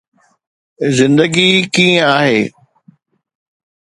زندگي ڪيئن آهي